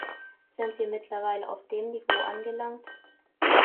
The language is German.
Sind wir mittlerweile auf dem Niveau angelangt?